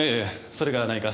それが何か？